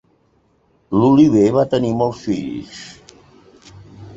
L'Oliver va tenir molts fills.